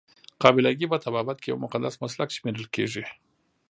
قابله ګي په طبابت کې یو مقدس مسلک شمیرل کیږي.